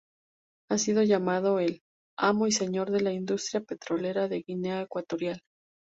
Ha sido llamado el "amo y señor" de la industria petrolera de Guinea Ecuatorial.